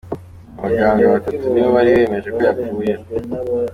Abaganga batatu nibo bari bemeje ko yapfuye.